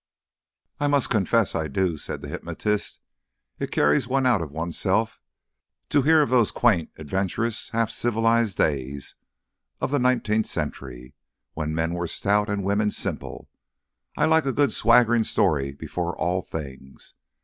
"I must confess I do," said the hypnotist. "It carries one out of oneself to hear of those quaint, adventurous, half civilised days of the nineteenth century, when men were stout and women simple. I like a good swaggering story before all things.